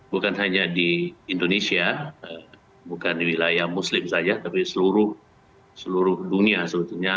bukan hanya di indonesia bukan di wilayah muslim saja tapi seluruh dunia sebetulnya